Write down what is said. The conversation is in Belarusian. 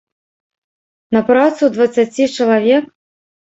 На працу дваццаці чалавек?